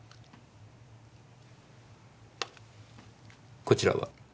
こちらは？